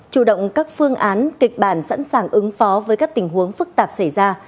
chủ động các phương án kịch bản sẵn sàng ứng phó với các tình huống phức tạp xảy ra